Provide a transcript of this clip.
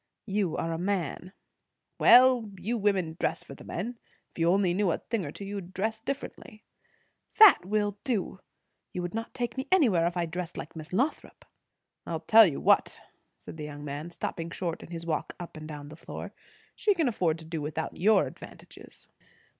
"You are a man." "Well, you women dress for the men. If you only knew a thing or two, you would dress differently." "That will do! You would not take me anywhere, if I dressed like Miss Lothrop." "I'll tell you what," said the young man, stopping short in his walk up and down the floor; "she can afford to do without your advantages!"